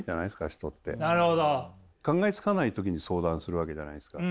考えつかない時に相談するわけじゃないですか。